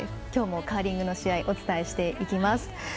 きょうもカーリングの試合お伝えしていきます。